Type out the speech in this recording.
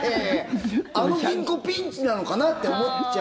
あの銀行ピンチなのかなって思っちゃう。